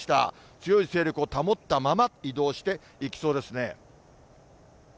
強い勢力を保ったまま移動していきそうですね。